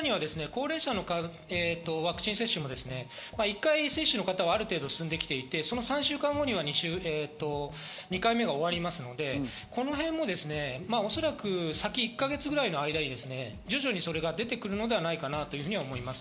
さらには高齢者のワクチン接種も１回接種の方は、ある程度進んできていて、３週間後には２回目が終わるのでこのへんもおそらく先１か月ぐらいの間に徐々にそれが出てくるのではないかなと思います。